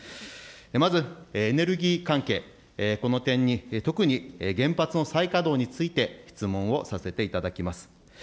まず、エネルギー関係、この点に特に原発の再稼働について質問をさせていただきます。